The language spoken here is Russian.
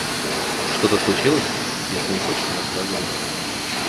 Что-то случилось? Если не хочешь, не рассказывай.